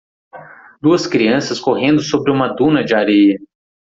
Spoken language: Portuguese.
Duas crianças correndo sobre uma duna de areia.